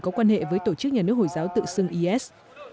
có quan hệ với tổ chức nhà nước hồi giáo tự xưng is